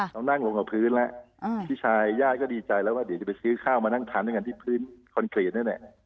เรานั่งลงกับพื้นแล้วพี่ชายญาติก็ดีใจแล้วว่าเดี๋ยวจะไปซื้อข้าวมานั่งทานด้วยกันที่พื้นคอนกรีตนั่นแหละ